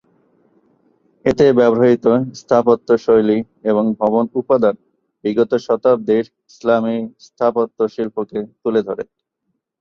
এতে ব্যবহৃত স্থাপত্য শৈলী এবং ভবন উপাদান বিগত শতাব্দীর ইসলামী স্থাপত্য শিল্পকে তুলে ধরে।